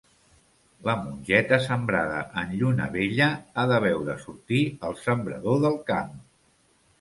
La mongeta, sembrada en lluna vella, ha de veure sortir el sembrador del camp.